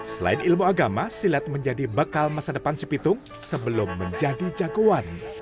selain ilmu agama silat menjadi bekal masa depan si pitung sebelum menjadi jagoan